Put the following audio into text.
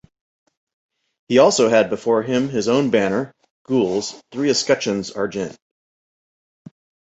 He also had before him his own banner, gules, three escutcheons argent.